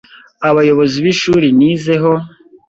abayobozi b’ishuri nizeho